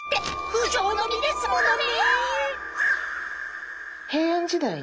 不浄の身ですものね。